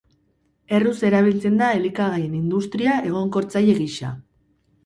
Erruz erabiltzen da elikagaien industria, egonkortzaile gisa.